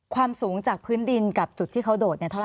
ความสูงจากพื้นดินกับจุดที่เขาโดดเนี่ยเท่าไ